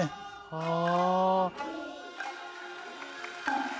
はあ。